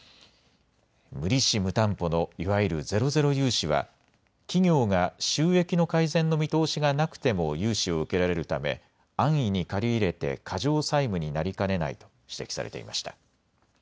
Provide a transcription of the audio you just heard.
無利子・無担保のいわゆるゼロゼロ融資は企業が収益の改善の見通しがなくても融資を受けられるため安易に借り入れて過剰債務になりかねないと指摘されていました。